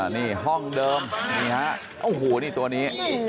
นี่ห้องเดิมนี่ฮะโอ้โหนี่ตัวนี้